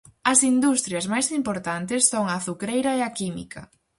As industrias máis importantes son a azucreira e a química.